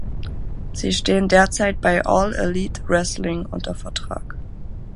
Sie stehen derzeit bei All Elite Wrestling unter Vertrag.